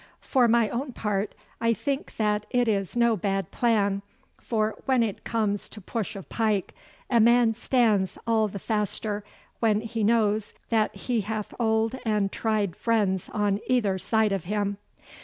For my own part, I think that it is no bad plan, for when it comes to push of pike, a man stands all the faster when he knows that he hath old and tried friends on either side of him.